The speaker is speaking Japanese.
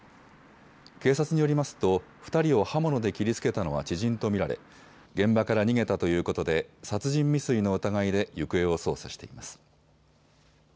警察によりますと２人を刃物で切りつけたのは知人と見られ現場から逃げたということで殺人未遂の疑いで行方を捜査しています。